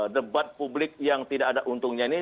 debat publik yang tidak ada untungnya ini